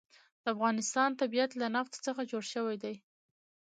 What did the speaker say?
د افغانستان طبیعت له نفت څخه جوړ شوی دی.